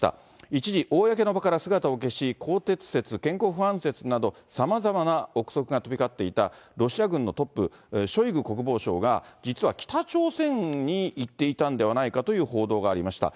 一時、公の場から姿を消し、更迭説、健康不安説など、さまざまな憶測が飛び交っていたロシア軍のトップ、ショイグ国防相が、実は北朝鮮に行っていたんではないかという報道がありました。